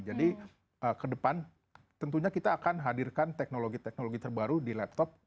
jadi ke depan tentunya kita akan hadirkan teknologi teknologi terbaru di laptop